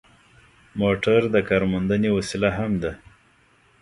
موټر د کارموندنې وسیله هم ده.